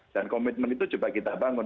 dan komitmen itu coba kita bangun